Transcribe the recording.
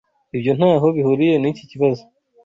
Ibyo ntaho bihuriye n'iki kibazo.